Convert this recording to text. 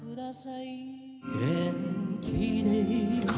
「元気でいるか」